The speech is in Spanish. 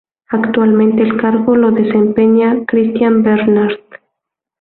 Actualmente el cargo lo desempeña Christian Bernard.